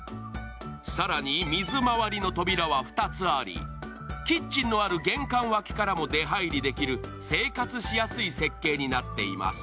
更に水回りの扉は２つあり、キッチンのある玄関脇からも出入りできる生活しやすい設計になっています。